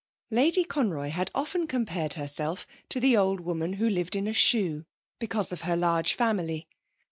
Lady Conroy had often compared herself to the old woman who lived in a shoe, because of her large family.